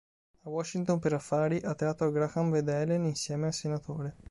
A Washington per affari, a teatro Graham vede Helen insieme al senatore.